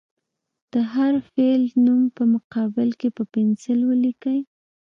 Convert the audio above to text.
د هر فعل نوم په مقابل کې په پنسل ولیکئ.